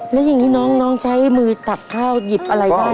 แล้วยังงี้น้องน้องจะให้มือตัดข้าวหยิบอะไรได้ไหมครับ